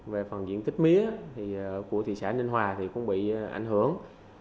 về phần diện tích mía thì của thị xã ninh hòa thì cũng bị ảnh hưởng